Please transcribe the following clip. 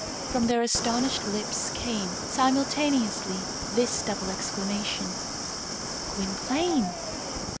From their astonished lips came, simultaneously, this double exclamation: "Gwynplaine!"